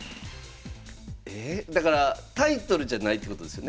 だからタイトルじゃないってことですよね？